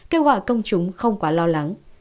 kêu gọi công chúng không quá lo lắng